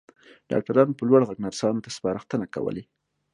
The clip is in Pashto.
ډاکټرانو په لوړ غږ نرسانو ته سپارښتنې کولې.